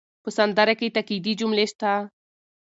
په سندره کې تاکېدي جملې شته.